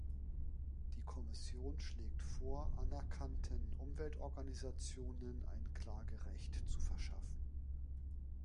Die Kommission schlägt vor, anerkannten Umweltorganisationen ein Klagerecht zu verschaffen.